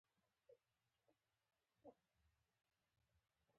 تولیدوونکي د هګۍ اچولو او بچیو روزنې لپاره بېل ډنډونه جوړوي.